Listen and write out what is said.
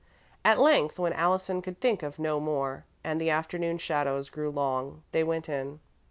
At length when Allison could think of no more, and the afternoon shadows grew long, they went in.